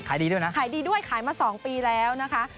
ขายดีด้วยนะขายดีด้วยขายมา๒ปีแล้วนะคะ